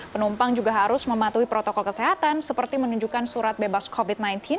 penumpang juga harus mematuhi protokol kesehatan seperti menunjukkan surat bebas covid sembilan belas